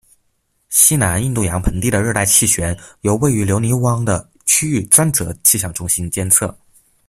西南印度洋盆地的热带气旋由位于留尼汪的区域专责气象中心监测。